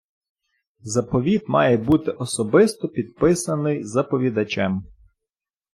Заповіт має бути особисто підписаний заповідачем.